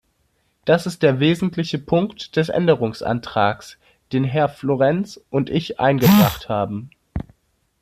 Das ist der wesentliche Punkt des Änderungsantrags, den Herr Florenz und ich eingebracht haben.